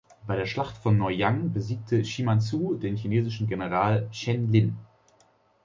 Bei der Schlacht von Noryang besiegte Shimazu den chinesischen General Chen Lin.